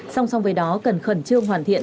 song song với đó cần khẩn trương hoàn thiện